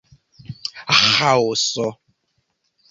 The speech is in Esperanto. Ĥaoso.